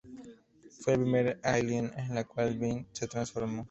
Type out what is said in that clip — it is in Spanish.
Fue el primer alien del cual Ben se transformó.